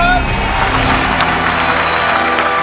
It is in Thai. เพลงนี้ที่๕หมื่นบาทแล้วน้องแคน